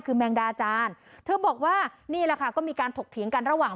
คือแมงดาจานเธอบอกว่านี่แหละค่ะก็มีการถกเถียงกันระหว่าง